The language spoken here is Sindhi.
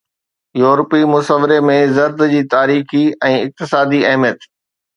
يورپي مصوري ۾ زرد جي تاريخي ۽ اقتصادي اهميت